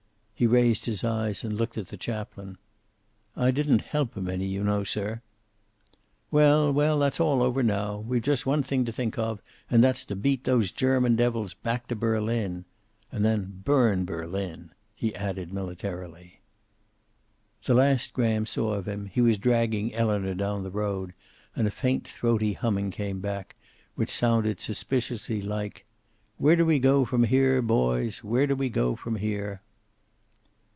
He raised his eyes and looked at the chaplain. "I didn't help him any, you know, sir." "Well, well, that's all over now. We've just one thing to think of, and that's to beat those German devils back to Berlin. And then burn Berlin," he added, militantly. The last Graham saw of him, he was dragging Elinor down the road, and a faint throaty humming came back, which sounded suspiciously like "Where do we go from here, boys? Where do we go from here?"